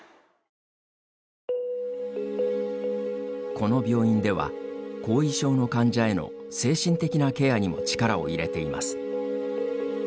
この病院では後遺症の患者への精神的なケアにも力を入れています。